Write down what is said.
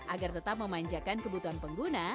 agar tetap memanjakan kebutuhan pengguna